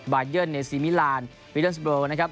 บายเยิ้นเนซีมิรานด์วิทยุนส์บรูเมอร์นะครับ